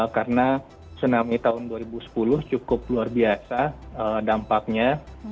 karena tsunami tahun dua ribu sepuluh cukup luar biasa dampaknya